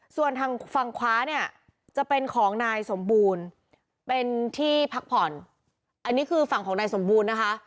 ส่วนทางฝั่งขวาเนี่ยจะเป็นของนายสมบูรณ์เป็นที่พักผ่อนอันนี้คือฝั่งของนายสมบูรณ์นะคะ